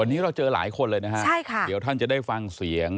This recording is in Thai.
วันนี้เราเจอหลายคนเลยนะฮะใช่ค่ะเดี๋ยวท่านจะได้ฟังเสียง